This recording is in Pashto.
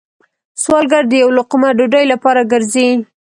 سوالګر د یو لقمه ډوډۍ لپاره گرځي